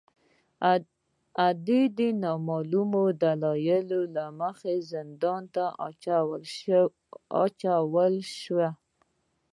دای د نامعلومو دلایلو له امله زندان ته واچول شو.